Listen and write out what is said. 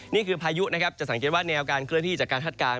นี่คือพายุนะครับจะสังเกตว่าแนวการเครื่องที่จัดการทัดการ